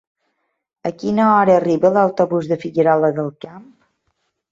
A quina hora arriba l'autobús de Figuerola del Camp?